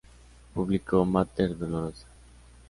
Publicó "Mater Dolorosa.